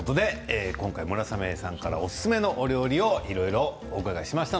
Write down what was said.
今回、村雨さんからおすすめのお料理をいろいろお伺いしました。